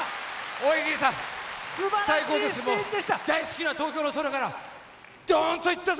大好きな東京の空からドーンといったぜ！